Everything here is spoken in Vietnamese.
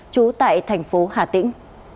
trú tại tp hà tĩnh